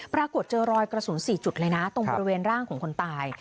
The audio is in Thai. ปรากฏเจอรอยกระสุน๔จุดเลยนะตรงบริเวณร่างของคนตาย